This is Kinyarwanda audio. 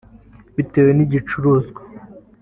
bitewe n’igicuruzwa